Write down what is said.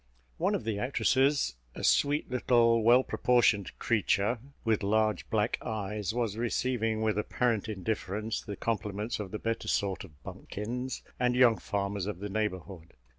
One of the actresses, a sweet little, well proportioned creature, with large black eyes, was receiving, with apparent indifference, the compliments of the better sort of bumpkins and young farmers of the neighbourhood.